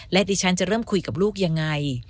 และดิฉันจะเริ่มคุยกับลูกยังไง